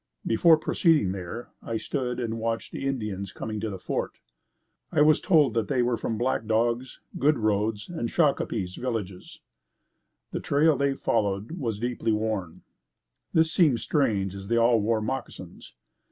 Before proceeding there, I stood and watched the Indians coming to the fort. I was told they were from Black Dog's, Good Road's and Shakopee's villages. The trail they followed was deeply worn. This seemed strange as they all wore moccasins.